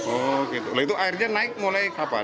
oh gitu lah itu airnya naik mulai kapan